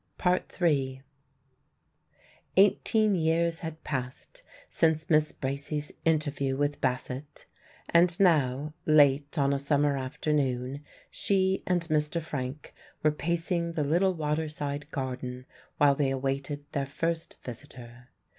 III. Eighteen years had passed since Miss Bracy's interview with Bassett; and now, late on a summer afternoon, she and Mr. Frank were pacing the little waterside garden while they awaited their first visitor.